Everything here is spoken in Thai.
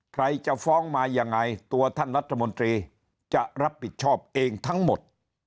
ใครจะฟ้องมายังไงตัวท่านรัฐมนตรีจะรับผิดชอบเองทั้งหมด